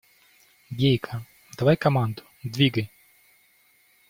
Гейка, давай команду, двигай!